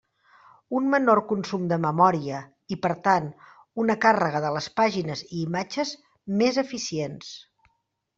Un menor consum de memòria, i per tant, una càrrega de les pàgines i imatges més eficient.